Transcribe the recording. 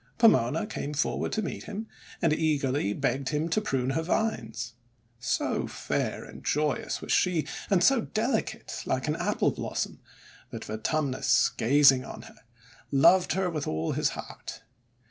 Pomona came forward to meet him, and eagerly begged him to prune her vines. So fair and joyous was she, and so delicate like an Apple Blossom, that Vertumnus, gazing on her, loved her with all his heart.